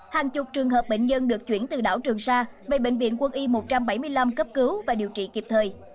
hàng chục trường hợp bệnh nhân được chuyển từ đảo trường sa về bệnh viện quân y một trăm bảy mươi năm cấp cứu và điều trị kịp thời